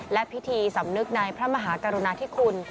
และพิธีสำนึกในพระมหากรุณาธิคุณ